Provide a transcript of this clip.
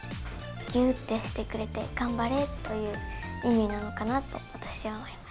ぎゅってしてくれて、頑張れっていう意味なのかなと、私は思いま